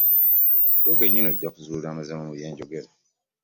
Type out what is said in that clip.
Ggwe kennyini ojja kuzuula amazima mu bge njogera.